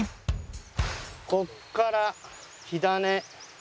ここから火種。